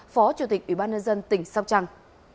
phó chủ tịch ủy ban nhân dân tỉnh sóc trăng